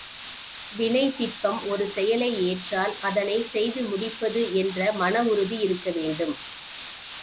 வினைத்திட்பம் ஒரு செயலை ஏற்றால் அதனைச் செய்து முடிப்பது என்ற மனஉறுதி இருக்க வேண்டும்.